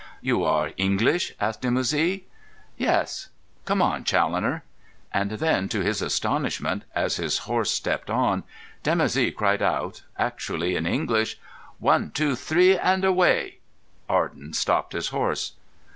"You are English?" asked Dimoussi. "Yes. Come on, Challoner!" And then, to his astonishment, as his horse stepped on, Dimoussi cried out actually in English: "One, two, three, and away!" Arden stopped his horse.